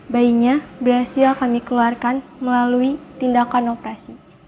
bayinya berhasil kami keluarkan melalui tindakan operasi